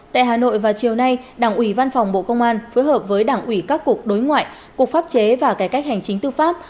tại hà nội vào chiều nay đảng ủy văn phòng bộ công an phối hợp với đảng ủy các cục đối ngoại cục pháp chế và cải cách hành chính tư pháp